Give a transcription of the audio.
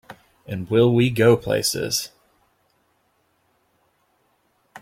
And will we go places!